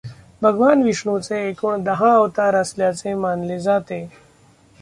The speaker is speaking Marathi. भगवान विष्णूचे एकूण दहा अवतार असल्याचे मानले जाते.